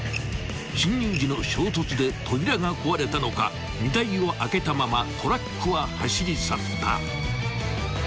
［進入時の衝突で扉が壊れたのか荷台を開けたままトラックは走り去った］